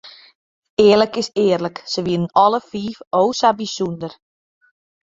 Earlik is earlik, se wienen alle fiif o sa bysûnder.